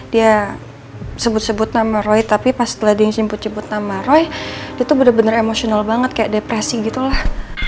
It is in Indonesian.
dia sebut sebut nama roy tapi pas setelah dia sebut sebut nama roy dia tuh bener bener emosional banget kayak depresi gitu lah